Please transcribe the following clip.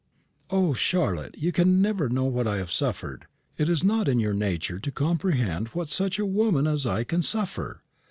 O, Charlotte, you can never know what I have suffered. It is not in your nature to comprehend what such a woman as I can suffer.